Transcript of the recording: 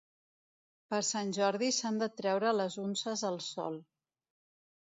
Per Sant Jordi s'han de treure les unces al sol.